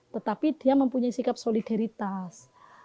tetapi dia mempunyai sikap solidaritas